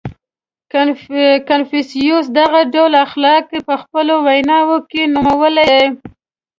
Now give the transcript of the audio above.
• کنفوسیوس دغه ډول اخلاق په خپلو ویناوو کې نومولي دي.